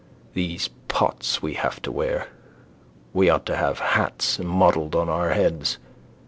These pots we have to wear. We ought to have hats modelled on our heads.